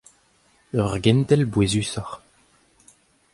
Ur gentel bouezusoc'h.